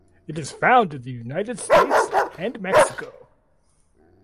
It is found in the United States and Mexico.